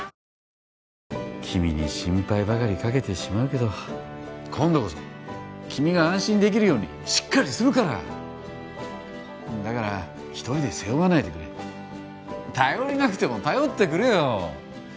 君に心配ばかりかけてしまうけど今度こそ君が安心できるようにしっかりするからだから一人で背負わないでくれ頼りなくても頼ってくれよ